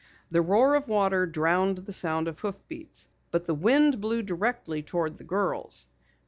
The roar of water drowned the sound of hoofbeats. But the wind blew directly toward the girls.